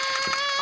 あ！